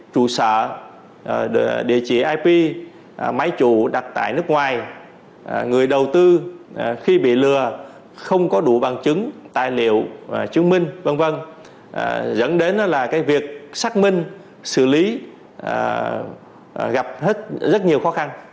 trụ sở địa chỉ ip máy chủ đặt tại nước ngoài người đầu tư khi bị lừa không có đủ bằng chứng tài liệu chứng minh v v dẫn đến là cái việc xác minh xử lý gặp hết rất nhiều khó khăn